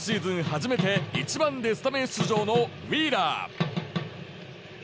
初めて１番でスタメン出場のウィーラー。